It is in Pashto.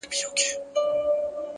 صبر د وخت له حکمت سره مل وي!.